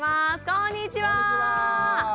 こんにちは。